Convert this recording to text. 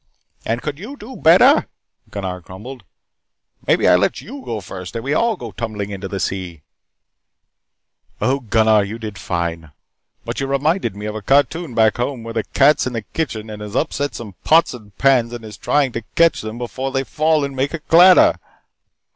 "And could you do better?" Gunnar grumbled. "Maybe I let you go first and we all go tumbling into the sea " "Oh, Gunnar, you did fine. But you reminded me of a cartoon back home where the cat's in the kitchen and has upset some pots and pans and is trying to catch them before they fall and make a clatter."